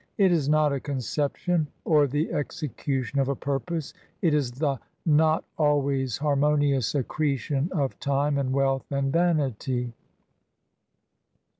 It is not a conception or the execution of a purpose; it is the not always har monious accretion of time and wealth and vanity.